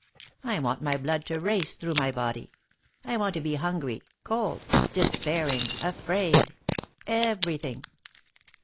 I want my blood to race through my body; I want to be hungry, cold, despairing, afraid everything!